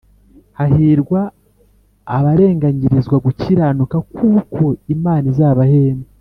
Hahirwa abarenganyirizwa gukiranuka kuko Imana izabahemba